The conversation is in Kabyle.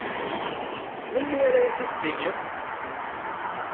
Melmi ara iyi-t-id-tiniḍ?